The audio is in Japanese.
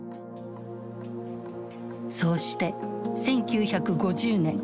そうして１９５０年。